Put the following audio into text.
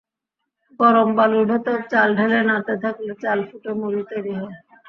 গরম বালুর ভেতর চাল ঢেলে নাড়তে থাকলে চাল ফুটে মুড়ি তৈরি হয়।